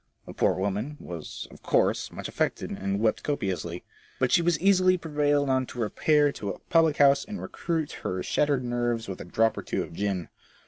The poor woman was, of course, much affected, and wept copiously; but she was easily pre vailed on to repair to a public house and recruit her shattered nerves with a drop or two of gin.